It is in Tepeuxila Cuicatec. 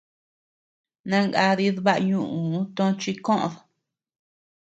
Nangadid baʼa ñuʼuu tochi koʼod.